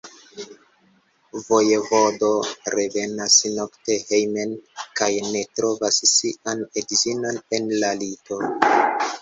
Vojevodo revenas nokte hejmen kaj ne trovas sian edzinon en la lito.